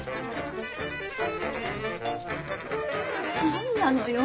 何なのよ